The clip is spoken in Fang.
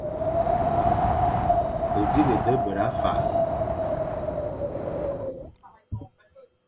O dighé da bera fa.